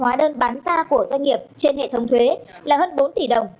hóa đơn bán ra của doanh nghiệp trên hệ thống thuế là hơn bốn tỷ đồng